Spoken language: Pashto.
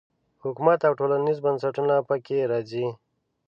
حکومت او ټولنیز بنسټونه په کې راځي.